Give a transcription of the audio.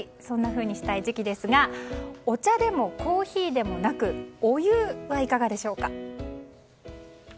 そんなふうにしたい時期ですがお茶でもコーヒーでもなくお湯はいかがでしょうか？